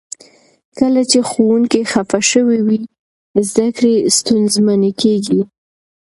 کله چې ښوونکي خفه شوي وي، زده کړې ستونزمنې کیږي.